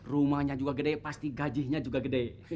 rumahnya juga gede pasti gajinya juga gede